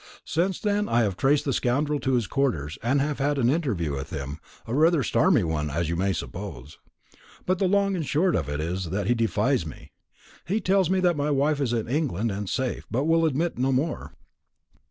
Since then I have traced the scoundrel to his quarters, and have had an interview with him rather a stormy one, as you may suppose. But the long and short of it is that he defies me. He tells me that my wife is in England, and safe, but will admit no more.